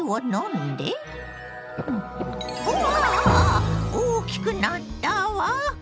あぁ大きくなったわ！